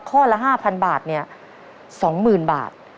ข้อละ๕๐๐๐บาท๒๐๐๐บาท